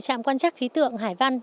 trạm quan chắc khí tượng hải văn